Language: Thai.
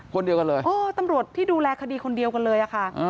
คนเดียวกันเลยโอ้ตำรวจที่ดูแลคดีคนเดียวกันเลยอะค่ะ